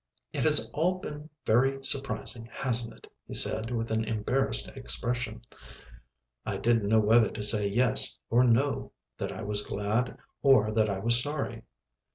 "It has all been very surprising, hasn't it?" he said with an embarrassed expression. I didn't know whether to say "yes" or "no," that I was glad or that I was sorry.